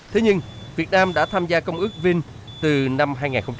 thế nhưng việt nam đã tham gia công ước vin từ năm hai nghìn một mươi năm